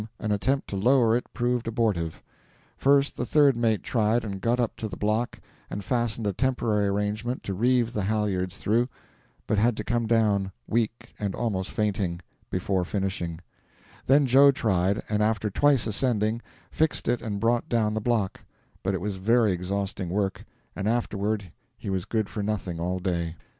an attempt to lower it proved abortive. First the third mate tried and got up to the block, and fastened a temporary arrangement to reeve the halyards through, but had to come down, weak and almost fainting, before finishing; then Joe tried, and after twice ascending, fixed it and brought down the block; but it was very exhausting work, and afterward he was good for nothing all day.